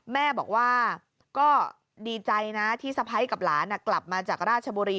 แม่บอกว่าก็ดีใจนะที่สะพ้ายกับหลานกลับมาจากราชบุรี